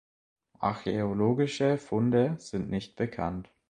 Archäologische Funde sind nicht bekannt.